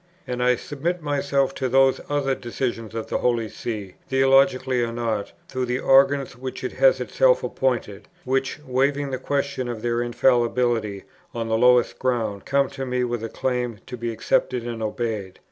And I submit myself to those other decisions of the Holy See, theological or not, through the organs which it has itself appointed, which, waiving the question of their infallibility, on the lowest ground come to me with a claim to be accepted and obeyed.